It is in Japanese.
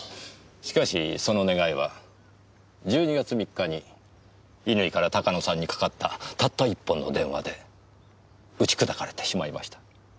しかしその願いは１２月３日に乾から鷹野さんにかかったたった１本の電話で打ち砕かれてしまいました。